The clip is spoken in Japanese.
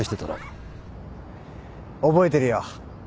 覚えてるよ。